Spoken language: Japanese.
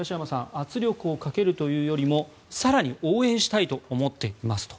圧力をかけるというよりも更に応援したいと思っていますと。